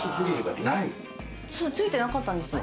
ついてなかったんですよ。